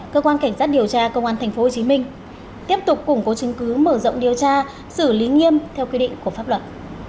cơ quan cảnh sát điều tra công an tp hcm tiếp tục củng cố chứng cứ mở rộng điều tra xử lý nghiêm theo quy định của pháp luật